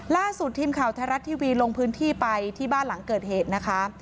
ล่าสุดทีมข่าวไทยรัฐทีวีลงพื้นที่ไปที่บ้านหลังเกิดเหตุนะคะ